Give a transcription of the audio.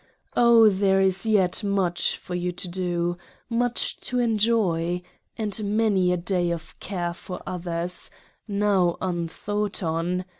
Oh, There is yet much for you to do much to enjoy : and many a day of Care for others, — now un thought on.